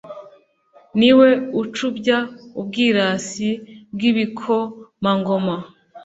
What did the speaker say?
ni we ucubya ubwirasi bw'ibikomangoma